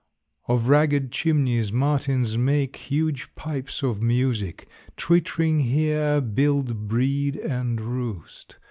3. Of ragged chimneys martins make Huge pipes of music; twittering here Build, breed, and roost.